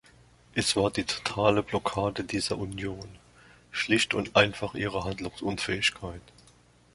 Es war die totale Blockade dieser Union, schlicht und einfach ihre Handlungsunfähigkeit.